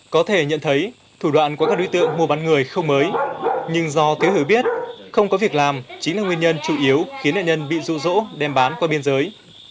có thể nhận thấy thủ đoạn của các đối tượng mua bán người không mới nhưng do thiếu hiểu biết không có việc làm chính là nguyên nhân chủ yếu khiến nạn nhân bị rụ rỗ đem bán qua biên giới